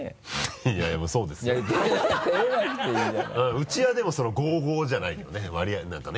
うちはでも５：５じゃないけどね割合なんかね。